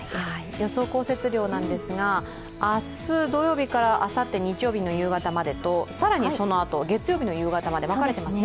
予想降雪量なんですが、明日土曜日からあさって日曜日の夕方までと、更にそのあと月曜日の夕方まで分かれていますね。